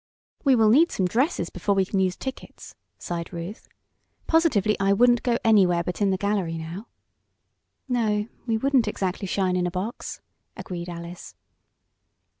"We will need some dresses before we can use tickets," sighed Ruth. "Positively I wouldn't go anywhere but in the gallery now." "No, we wouldn't exactly shine in a box," agreed Alice.